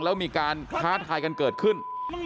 แล้วมีการท้าทายกันเกิดขึ้น